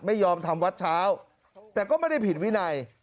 ไม่ยอมทำวัดเช้าแต่ก็ไม่ได้ผิดวินัย